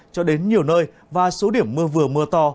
cho đến nhiều nơi và số điểm mưa vừa mưa to